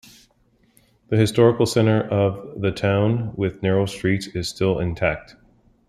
The historical centre of the town, with narrow streets, is still intact.